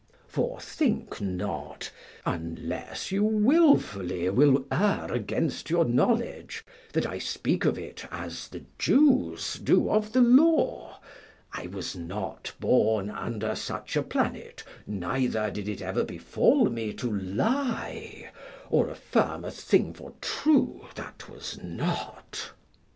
For think not, unless you wilfully will err against your knowledge, that I speak of it as the Jews do of the Law. I was not born under such a planet, neither did it ever befall me to lie, or affirm a thing for true that was not.